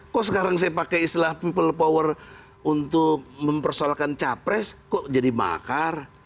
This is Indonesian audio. kok sekarang saya pakai istilah people power untuk mempersoalkan capres kok jadi makar